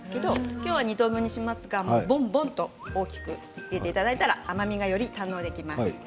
今日は２等分にしますがぼんぼんと大きく入れていただいたら甘みがより堪能できます。